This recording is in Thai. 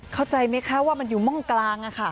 เข้าใจไหมคะว่ามันอยู่ม่องกลาง